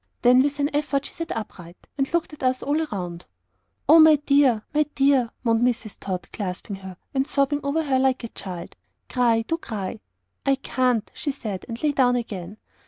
Then with an effort she sat upright, and looked at us all around. "Oh, my dear! my dear!" moaned Mrs. Tod, clasping her, and sobbing over her like a child. "Cry, do cry!" "I CAN'T," she said, and lay down again.